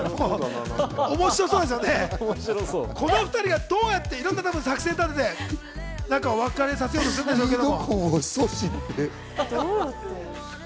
面白そうですよね、この２人がどうやって作戦立てて別れさせようとするんでしょうかね？